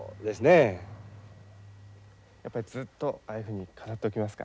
やっぱりずっとああいうふうに飾っておきますか？